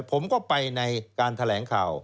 ผมก็ไปในการแถลงข่าว